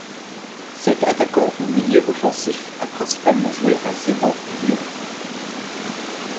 Cet attaquant ou milieu offensif a principalement joué à Sedan et Lyon.